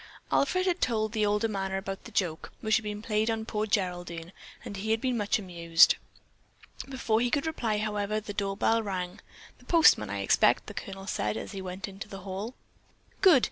Alfred had told the older man about the joke which had been played on poor Geraldine and he had been much amused. Before he could reply, however, the door bell rang. "The postman, I expect!" the Colonel said as he went into the hall. "Good!"